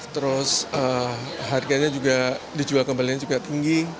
terus harganya juga dijual kembali juga tinggi